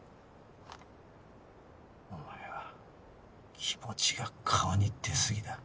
お前は気持ちが顔に出すぎだ。